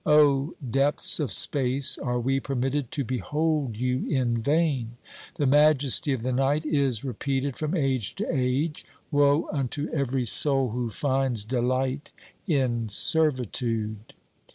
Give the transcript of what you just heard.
O depths of space ! are we permitted to behold you in vain ? The majesty of the night is re peated from age to age : woe unto every soul who finds delight in servitude